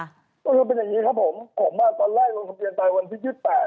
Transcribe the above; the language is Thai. ก็คือเป็นอย่างนี้ครับผมผมว่าตอนแรกวงศัพท์เรียนจ่ายวันที่๒๘